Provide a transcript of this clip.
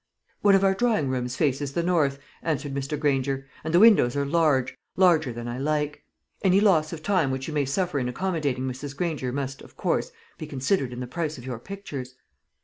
"One of our drawing rooms faces the north," answered Mr. Granger, "and the windows are large larger than I like. Any loss of time which you may suffer in accommodating Mrs. Granger must, of course, be considered in the price of your pictures."